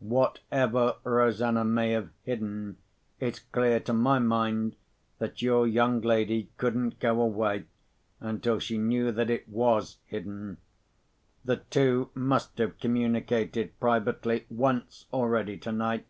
Whatever Rosanna may have hidden, it's clear to my mind that your young lady couldn't go away until she knew that it was hidden. The two must have communicated privately once already tonight.